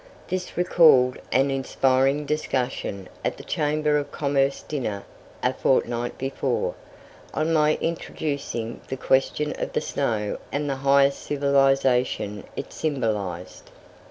This recalled an inspiring discussion at the Chamber of Commerce dinner a fortnight before, on my introducing the question of the snow and the highest civilization it symbolized.